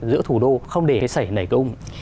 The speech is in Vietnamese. giữa thủ đô không để cái xảy này cung